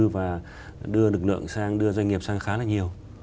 và đưa lực lượng sang đưa doanh nghiệp sang khá là nhiều